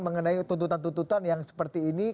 mengenai tuntutan tuntutan yang seperti ini